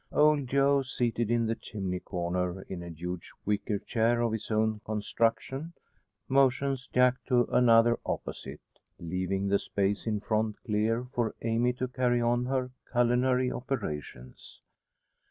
Old Joe, seated in the chimney corner, in a huge wicker chair of his own construction, motions Jack to another opposite, leaving the space in front clear for Amy to carry on her culinary operations.